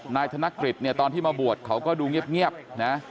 นายกฤษเนี่ยตอนที่มาบวชเขาก็ดูเงียบนะ